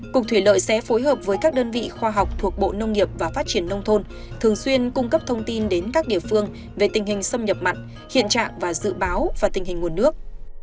cục thủy lợi sẽ phối hợp với các đơn vị khoa học thuộc bộ nông nghiệp và phát triển nông thôn thường xuyên cung cấp thông tin đến các địa phương về tình hình xâm nhập mặn hiện trạng và dự báo và tình hình nguồn nước